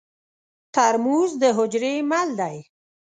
ترموز د حجرې مل دی.